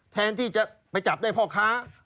แทนที่จะไปจับได้พ่อค้า